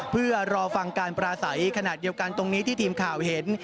เพื่อรอฟังการปราศัยขณะเดียวกันตรงนี้ที่ทีมข่าวเห็น